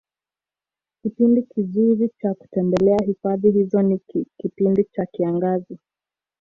kipindi kizuri Cha kutembelea hifadhi hiyo ni kipindi cha kiangazi